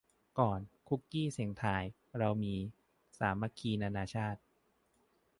ก่อน คุกกี้เสี่ยงทาย เรามี สามัคคีนานาชาติ